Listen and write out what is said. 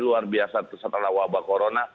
luar biasa setelah wabah corona